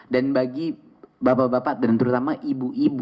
dan bagi bapak bapak dan terutama ibu ibu bapak ibu